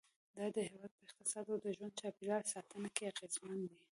دا د هېواد په اقتصاد او د ژوند چاپېریال ساتنه کې اغیزمن دي.